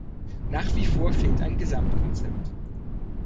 Nach wie vor fehlt ein Gesamtkonzept.